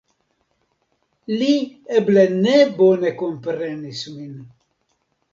Li eble ne bone komprenis min.